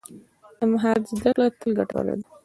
د مهارت زده کړه تل ګټوره ده.